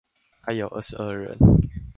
還有二十二人